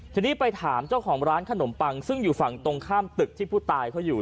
ทีนี้ไปถามเจ้าของร้านขนมปังซึ่งอยู่ฝั่งตรงข้ามตึกที่ผู้ตายเขาอยู่